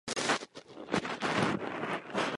Východní partnerství přineslo další nástroje.